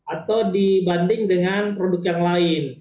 atau dibanding dengan produk yang lain